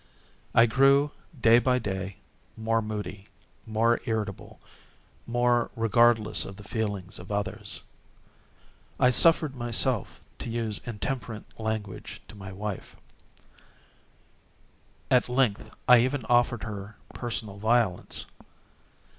I grew, day by day, more moody, more irritable, more regardless of the feelings of others. I suffered myself to use intemperate language to my wife. At length, I even offered her personal violence.